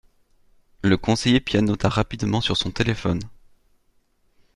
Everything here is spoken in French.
Le conseiller pianota rapidement sur son téléphone.